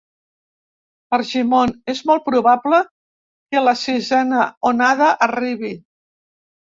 Argimon: “És molt probable que la sisena onada arribi”